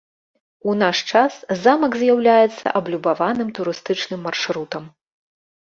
У наш час замак з'яўляецца аблюбаваным турыстычным маршрутам.